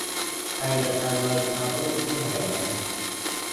ไทยจะตามรอยเท้าลูกพี่ใหญ่ไหม